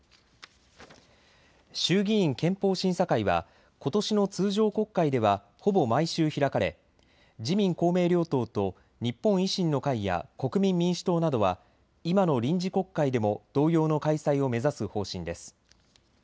衆議院憲法審査会はことしの通常国会ではほぼ毎週開かれ自民公明両党と日本維新の会や国民民主党などは今の臨時国会でも同様の開催を目指す方針です。